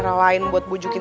sampai jumpa lagi